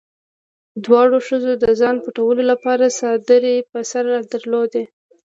دواړو ښځو د ځان پټولو لپاره څادري په سر درلوده.